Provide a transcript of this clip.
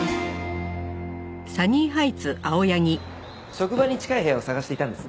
職場に近い部屋を探していたんです。